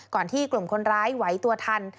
ที่กลุ่มคนร้ายไหวตัวทัน